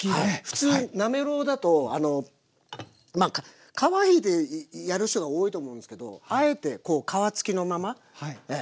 普通なめろうだと皮引いてやる人が多いと思うんですけどあえて皮付きのままええ。